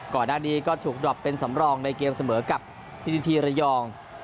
ก่อนหน้านี้ก็ถูกดรอปเป็นสำรองในเกมเสมอกับพิธีทีระยอง